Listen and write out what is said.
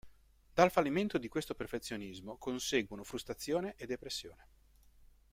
Dal fallimento di questo perfezionismo conseguono frustrazione e depressione.